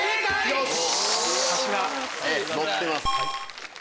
よし！